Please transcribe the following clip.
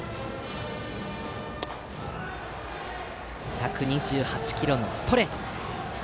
１２８キロのストレート。